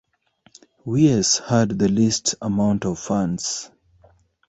Wiess had the least amount of funds.